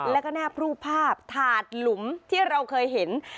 แล้วก็หน้ารูปภาพถาดหลุมที่เราเคยเห็น